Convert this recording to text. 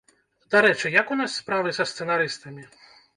Дарэчы, як у нас справы са сцэнарыстамі?